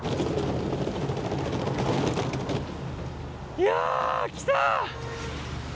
いや来た！